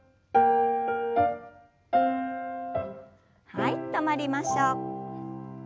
はい止まりましょう。